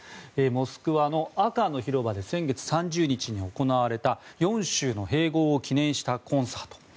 モスクワの赤の広場で先月３０日に行われた４州の併合を記念したコンサート。